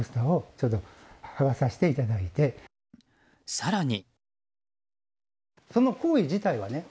更に。